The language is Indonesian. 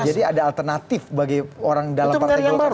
jadi ada alternatif bagi orang dalam partai golkar sendiri